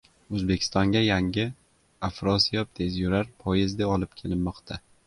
O‘zbekistonga yangi “Afrosiyob” tezyurar poyezdi olib kelinmoqda